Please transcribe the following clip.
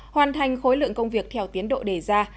hoàn thành khối lượng công việc theo tiến độ đề ra